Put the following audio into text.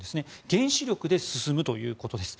原子力で進むということです。